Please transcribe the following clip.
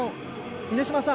峰島さん